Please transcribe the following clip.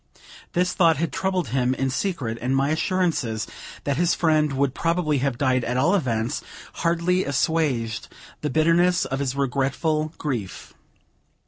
This thought had troubled him in secret; and my assurances that his friend would probably have died at all events, hardly assuaged the bitterness of his regretful grief.